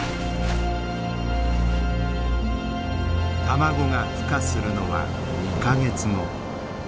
卵がふ化するのは２か月後。